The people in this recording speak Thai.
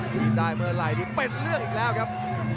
กินได้เมื่อไหร่นี่เป็นเรื่องอีกแล้วครับ